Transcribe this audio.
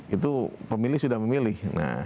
itu pemilih sudah memilih